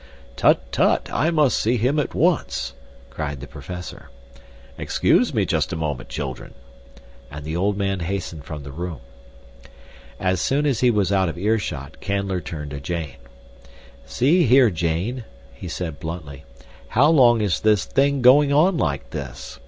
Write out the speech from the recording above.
"Tut, tut, I must see him at once!" cried the professor. "Excuse me just a moment, children," and the old man hastened from the room. As soon as he was out of earshot Canler turned to Jane. "See here, Jane," he said bluntly. "How long is this thing going on like this?